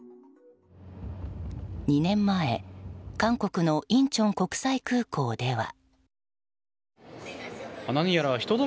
２年前、韓国のインチョン国際空港では。